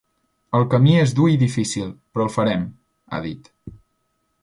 “El camí és dur i difícil, però el farem”, ha dit.